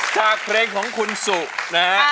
จากเพลงของคุณสุนะฮะ